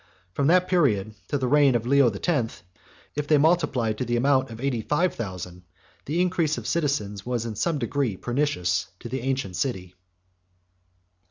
From that period to the reign of Leo the Tenth, if they multiplied to the amount of eighty five thousand, 38 the increase of citizens was in some degree pernicious to the ancient city.